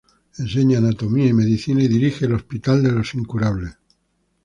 Enseña anatomía y medicina y dirige el hospital de los incurables.